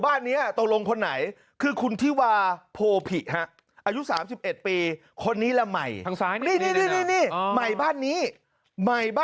เพราะยังไงมันต้องยิงกันแน่